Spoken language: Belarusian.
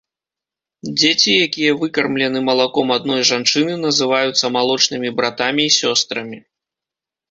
Дзеці, якія выкармлены малаком адной жанчыны, называюцца малочнымі братамі і сёстрамі.